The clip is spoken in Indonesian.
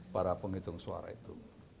para penghitung suara itu